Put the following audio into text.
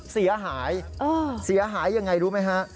เสียหายเสียหายยังไงรู้ไหมฮะ